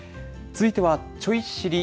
続いては、ちょい知り！